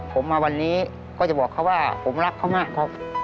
ผมมาวันนี้ก็จะบอกเพราะผมรักเขามาก